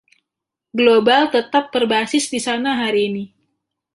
Global tetap berbasis di sana hari ini.